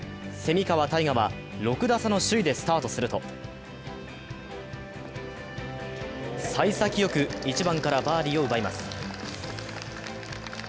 蝉川泰果は６打差の首位でスタートすると、さい先よく１番からバーディーを奪います。